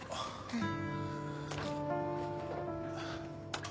うん。